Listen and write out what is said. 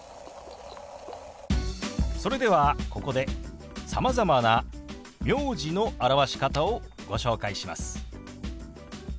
それではここでさまざまな名字の表し方をご紹介します。